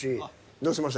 どうしました？